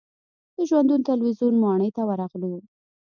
د ژوندون تلویزیون ماڼۍ ته ورغلو.